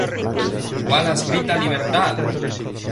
Wallace grita, "¡Libertad!